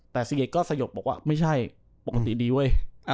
แต่ซีเอสก็สยบบอกว่าไม่ใช่ปกติดีเว้ย